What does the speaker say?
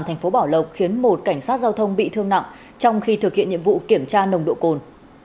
thành phố bảo lộc khiến một cảnh sát giao thông bị thương nặng trong khi thực hiện nhiệm vụ kiểm tra nồng độ cồn